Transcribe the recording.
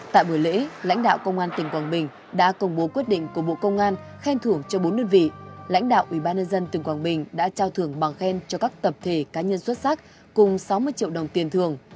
tại buổi lễ lãnh đạo công an tỉnh quảng bình đã công bố quyết định của bộ công an khen thưởng cho bốn đơn vị lãnh đạo ubnd tỉnh quảng bình đã trao thưởng bằng khen cho các tập thể cá nhân xuất sắc cùng sáu mươi triệu đồng tiền thường